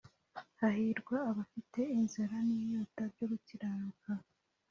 Hahirwa abafite inzara n'inyota byo gukiranuka